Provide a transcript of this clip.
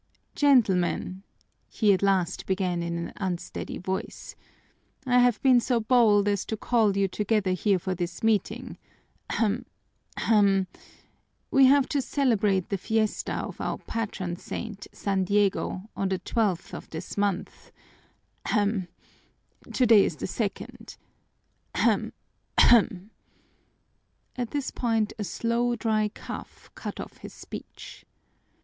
"Gentlemen," he at last began in an unsteady voice, "I have been so bold as to call you together here for this meeting ahem! Ahem! We have to celebrate the fiesta of our patron saint, San Diego, on the twelfth of this month ahem! today is the second ahem! Ahem!" At this point a slow, dry cough cut off his speech.